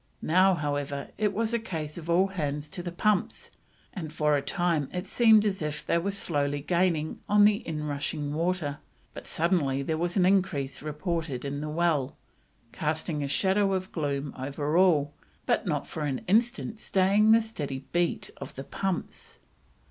Now, however, it was a case of all hands to the pumps, and for a time it seemed as if they were slowly gaining on the in rushing water, but suddenly there was an increase reported in the well, casting a shadow of gloom over all, but not for an instant staying the steady beat of the pumps.